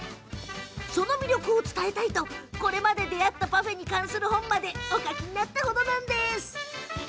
その魅力を伝えたいとこれまで出会ったパフェに関する本までお書きになったんだとか。